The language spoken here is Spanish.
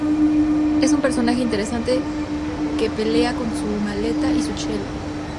Es una personaje interesante que pelea con su maleta y su chelo.